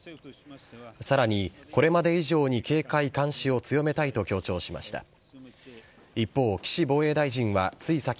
さらに、これまで以上に警戒監視を強めたいと強調しました。